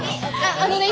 あのね今。